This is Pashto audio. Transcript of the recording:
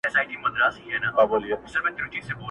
نن په څشي تودوې ساړه رګونه؛